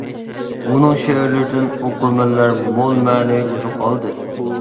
ئۇنىڭ شېئىرلىرىدىن ئوقۇرمەنلەر مول مەنىۋى ئوزۇق ئالدى.